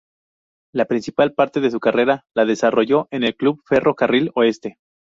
La principal parte de su carrera la desarrolló en el Club Ferro Carril Oeste.